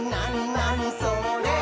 なにそれ？」